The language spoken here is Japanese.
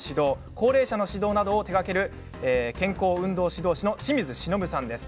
高齢者の指導などを手がける健康運動指導士の清水忍さんです。